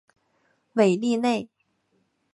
韦利内。